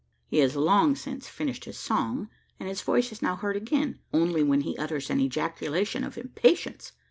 He has long since finished his song; and his voice is now heard again, only when he utters an ejaculation of impatience.